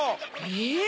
えっ？